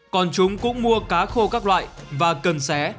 còn chúng cũng mua cá khô các loại và cần xé